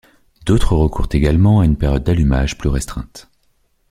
D'autres recourent également à une période d'allumage plus restreinte.